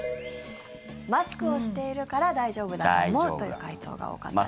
マスクをしているから大丈夫だと思うという回答が多かったです。